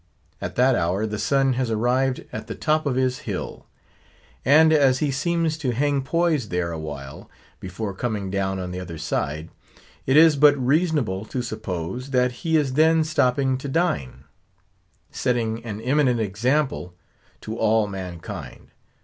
At that hour, the sun has arrived at the top of his hill; and as he seems to hang poised there a while, before coming down on the other side, it is but reasonable to suppose that he is then stopping to dine; setting an eminent example to all mankind.